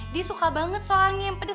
dia suka banget soalnya yang pedes